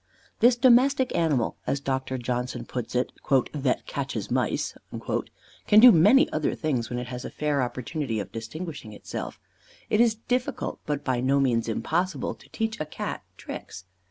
_ This domestic animal, as Dr. Johnson puts it, "that catches mice," can do many other things when it has a fair opportunity of distinguishing itself. It is difficult, but by no means impossible, to teach a Cat tricks.